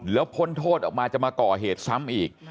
แล้วพ้นโทษออกมาจะมาก่อเหตุซ้ำอีก